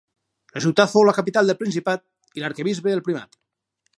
La ciutat fou la capital del principat i l'arquebisbe el primat.